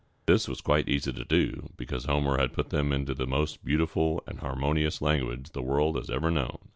This was quite easy to do, because Homer had put them into the most beautiful and harmonious language the world has ever known.